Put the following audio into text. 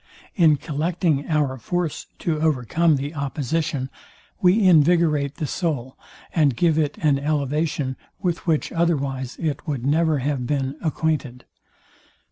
In collecting our force to overcome the opposition, we invigorate the soul, and give it an elevation with which otherwise it would never have been acquainted.